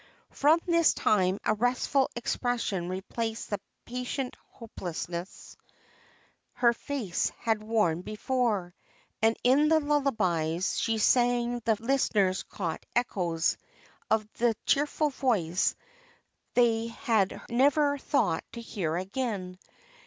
From this time a restful expression replaced the patient hopelessness her face had worn before, and in the lullabys she sang the listeners caught echoes of the cheerful voice they had never thought to hear again.